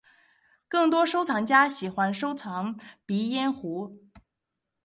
更多收藏家喜欢收藏鼻烟壶。